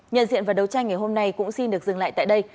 nhận diện và đấu tranh ngày hôm nay cũng xin được dừng lại tại đây